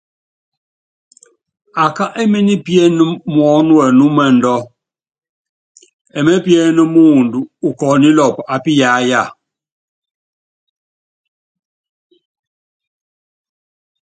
Akí éményi piéné muɔ́nɔ́wɛnúmɛndú, emépíéne muundɔ ukɔɔ́nílɔpɔ ápiyáya.